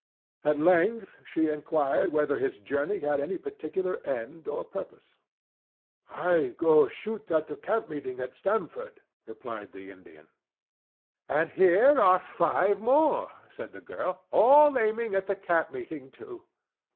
At length she inquired whether his journey had any particular end or purpose. "I go shoot at the camp meeting at Stamford," replied the Indian. "And here are five more," said the girl, "all aiming at the camp meeting too.